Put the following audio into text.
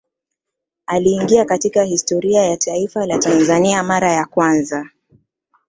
Aliingia katika historia ya taifa la Tanzania mara ya kwanza